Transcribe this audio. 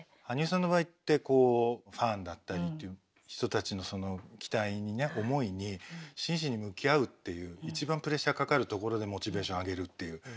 羽生さんの場合ってこうファンだったりっていう人たちの期待にね思いに真摯に向き合うっていう一番プレッシャーかかるところでモチベーション上げるっていう。